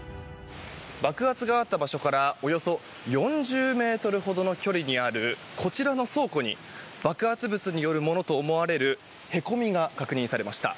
爆発があった場所からおよそ４０ｍほどの距離にあるこちらの倉庫に爆発物によるものと思われるへこみが確認されました。